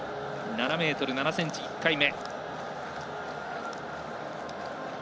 ７ｍ７ｃｍ、１回目。